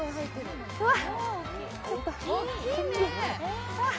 うわっ。